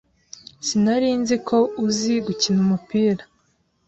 Sinari nzi ko uzi gukina umupira.